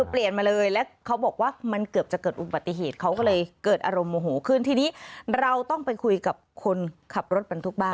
เปลี่ยนมาเลยแล้วเขาบอกว่ามันเกือบจะเกิดอุบัติเหตุเขาก็เลยเกิดอารมณ์โมโหขึ้นทีนี้เราต้องไปคุยกับคนขับรถบรรทุกบ้าน